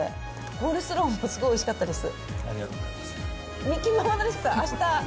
コールスローもすごいおいしかったです。